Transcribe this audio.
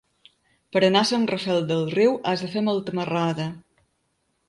Per anar a Sant Rafel del Riu has de fer molta marrada.